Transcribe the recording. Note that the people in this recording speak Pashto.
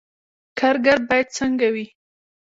کارګر باید څنګه وي؟